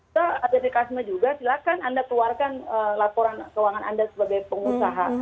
saya ada di kasme juga silahkan anda keluarkan laporan keuangan anda sebagai pengusaha